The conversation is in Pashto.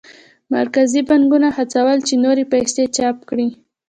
مرکزي بانکونه هڅول چې نورې پیسې چاپ کړي.